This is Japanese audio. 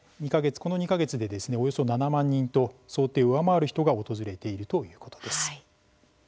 この２か月でおよそ７万人と想定を上回る人が訪れているということです。